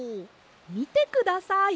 みてください。